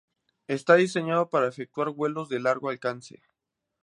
Está diseñado para efectuar vuelos de largo alcance.